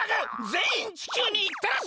地球にいってらっしゃい！